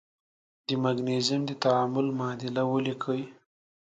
د مګنیزیم د تعامل معادله ولیکئ.